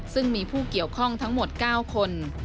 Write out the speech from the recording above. ซึ่งมีผู้เกี่ยวข้องทั้งหมด๙คน